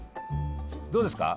どうですか？